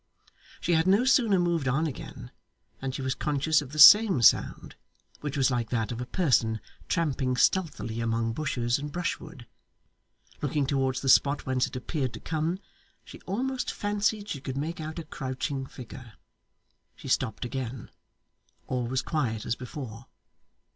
She had no sooner moved on again, than she was conscious of the same sound, which was like that of a person tramping stealthily among bushes and brushwood. Looking towards the spot whence it appeared to come, she almost fancied she could make out a crouching figure. She stopped again. All was quiet as before.